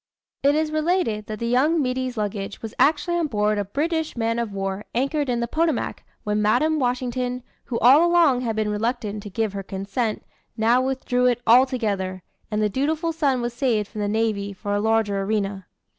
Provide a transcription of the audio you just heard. It is related that the young middy's luggage was actually on board a British man of war anchored in the Potomac, when Madam Washington, who all along had been reluctant to give her consent, now withdrew it altogether; and the "dutiful son" was saved from the navy for a larger arena.